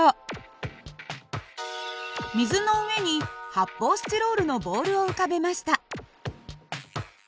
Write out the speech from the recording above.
水の上に発泡スチロールのボールを浮かべました。